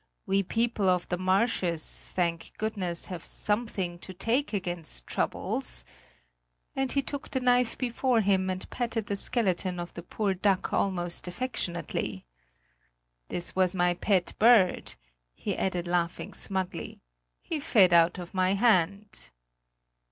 We people of the marshes, thank goodness, have something to take against troubles!" and he took the knife before him and patted the skeleton of the poor duck almost affectionately. "This was my pet bird," he added laughing smugly; "he fed out of my hand!"